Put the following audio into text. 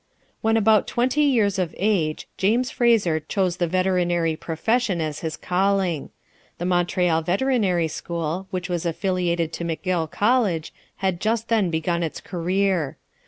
When about twenty years of age, James Fraser chose the veterinary profession as his calling. The Montreal Veterinary School, which was affiliated to McGill College, had just then begun its career.